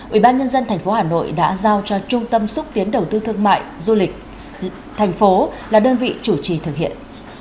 ủy ban nhân dân thành phố hà nội đã giao cho trung tâm xúc tiến đầu tư thương mại du lịch thành phố là đơn vị chủ trì thực hiện